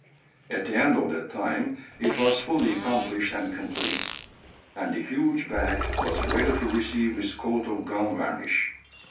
At the end of that time, it was fully accomplished and complete; and the huge bag was ready to receive its coat of gum varnish.